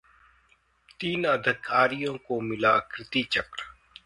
तीन अधिकारियों को मिला कीर्ति चक्र